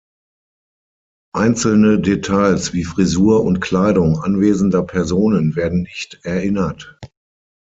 Einzelne Details wie Frisur und Kleidung anwesender Personen werden nicht erinnert.